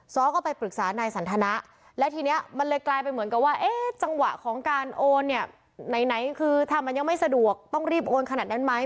ซ้อก็ไปปรึกษานายสันทนะและทีนี้มันเลยกลายเป็นเหมือนกับว่าเอ๊ะจังหวะของการโอนเนี่ยไหนคือถ้ามันยังไม่สะดวกต้องรีบโอนขนาดนั้นไหม